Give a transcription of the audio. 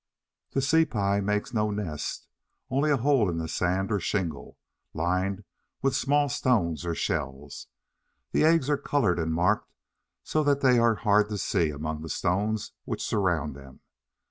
The Sea pie makes no nest, only a hole in the sand or shingle, lined with small stones or shells. The eggs are coloured and marked so that they are hard to see among the stones which surround them.